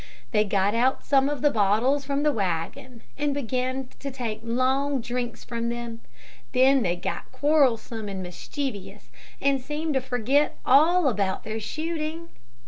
They got out some of the bottles from the wagon, and began to take long drinks from them. Then they got quarrelsome and mischievous, and seemed to forget all about their shooting.